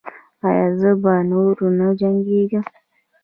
ایا زه به نور نه جنګیږم؟